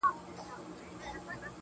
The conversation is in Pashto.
په یو نظر کي مي د سترگو په لړم نیسې.